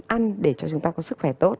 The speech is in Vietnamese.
ăn để cho chúng ta có sức khỏe tốt